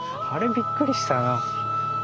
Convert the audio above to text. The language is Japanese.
あれびっくりしたな。